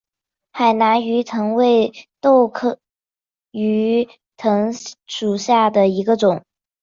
海南鱼藤为豆科鱼藤属下的一个种。